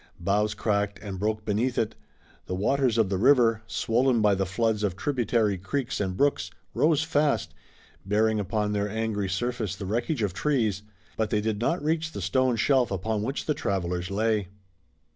Boughs cracked and broke beneath it. The waters of the river, swollen by the floods of tributary creeks and brooks, rose fast, bearing upon their angry surface the wreckage of trees, but they did not reach the stone shelf upon which the travelers lay.